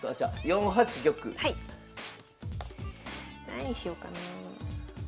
何しようかな。